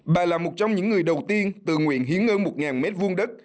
bà là một trong những người đầu tiên tự nguyện hiến hơn một m hai đất